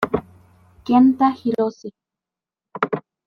Kenta Hirose